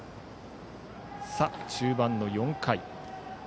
中盤の４回。